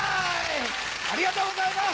ありがとうございます！